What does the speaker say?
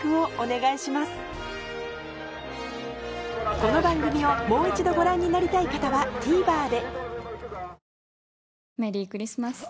この番組をもう一度ご覧になりたい方は ＴＶｅｒ で